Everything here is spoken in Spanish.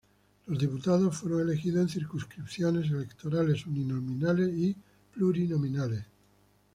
Los diputados fueron elegidos en circunscripciones electorales uninominales y plurinominales.